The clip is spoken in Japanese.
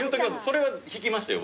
それは引きましたよ